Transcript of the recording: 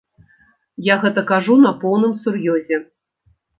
Я гэта кажу на поўным сур'ёзе.